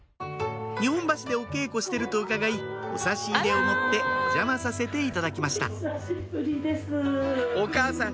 日本橋でお稽古してると伺いお差し入れを持ってお邪魔させていただきましたお母さん